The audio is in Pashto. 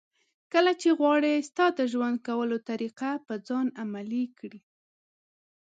کله چې غواړي ستا د ژوند کولو طریقه په ځان عملي کړي.